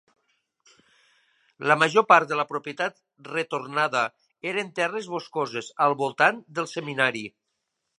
La major part de la propietat retornada eren terres boscoses al voltant del seminari.